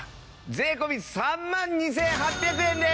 税込３万２８００円です！